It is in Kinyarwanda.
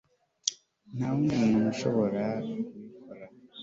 nta wundi muntu ushobora kubikora